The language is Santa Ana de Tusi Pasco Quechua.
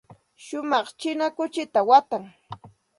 Shumaq china kuchita watan.